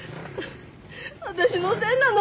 私のせいなの。